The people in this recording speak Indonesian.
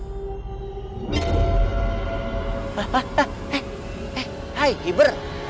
hah hah hah hai hai hai hiber